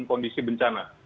pada kondisi bencana